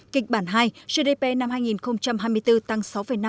kịch bản hai gdp năm hai nghìn hai mươi bốn tăng sáu năm